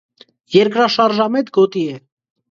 Երկրաշարժամետ գոտի է։